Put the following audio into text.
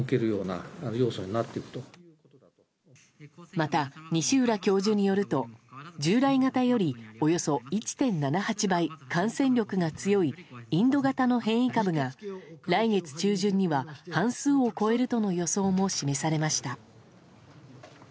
また、西浦教授によると従来型よりおよそ１点７８倍感染力が強いインド型の変異株が来月中旬には半数を超えるとの予想も示されました。